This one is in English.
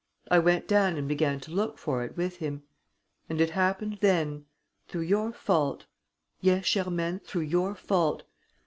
I went down and began to look for it with him ... And it happened then ... through your fault ... yes, Germaine, through your fault